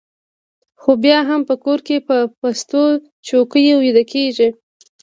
خو بیا هم په کور کې په پستو څوکیو ویده کېږي